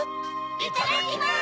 いただきます！